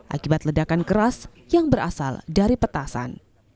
akibat ledakan keras yang berasal dari petasan